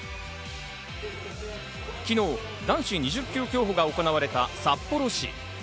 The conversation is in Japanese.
昨日、男子２０ｋｍ競歩が行われた札幌市。